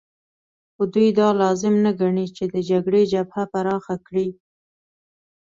خو دوی دا لازم نه ګڼي چې د جګړې جبهه پراخه کړي